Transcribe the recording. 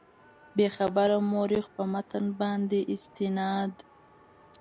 بېخبره مورخ په متن باندې استناد.